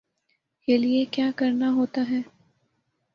کے لیے کیا کرنا ہوتا ہے